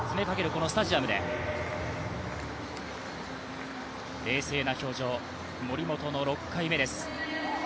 このスタジアムで冷静な表情、森本の６回目です。